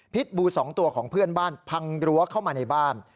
บู๒ตัวของเพื่อนบ้านพังรั้วเข้ามาในบ้าน